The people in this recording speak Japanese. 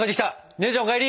姉ちゃんお帰り！